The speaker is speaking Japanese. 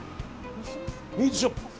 ミートショップ。